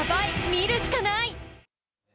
見るしかない。